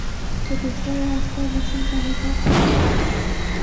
تو دوسرا راستہ الیکشن کا ہی تھا۔